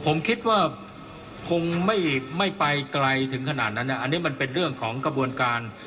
ผมคิดว่าคงไม่ไปไกลถึงขนาดนั้นอันนี้มันเป็นเรื่องของกระบวนการ